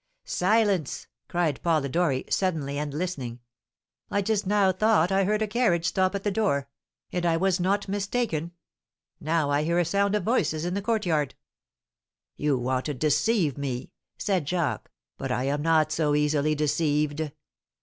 "Silence!" cried Polidori, suddenly, and listening. "I just now thought I heard a carriage stop at the door and I was not mistaken! Now I hear a sound of voices in the courtyard." "You want to deceive me," said Jacques; "but I am not so easily deceived."